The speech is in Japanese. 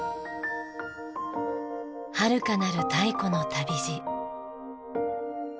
はるかなる太古の旅路。